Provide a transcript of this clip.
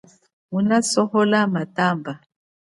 Nguna sohola matamba.